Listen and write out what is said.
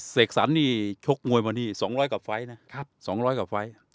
เสกสรรเนี่ยชกมวยมาที่๒๐๐กว่าไฟนะครับ๒๐๐กว่าไฟ